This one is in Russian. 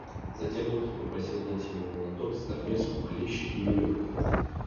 Затем доктор попросил дать ему молоток, стамеску, клещи и веревку.